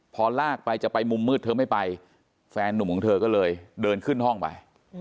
พอลากไปจะไปมุมมืดเธอไม่ไปแฟนนุ่มของเธอก็เลยเดินขึ้นห้องไป